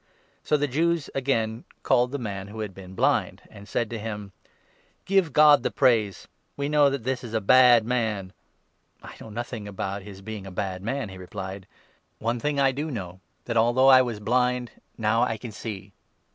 So the Jews again called the man 24 who had been blind, and said to him :" Give God the praise ; we know that this is a bad man." " I know nothing about his being a bad man," he replied ; 25 JOHN, 9—10. 185 "one thing I do know, that although I was blind, now I can see.